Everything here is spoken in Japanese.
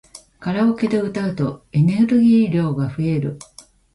カラオケで歌うとエネルギー量が増える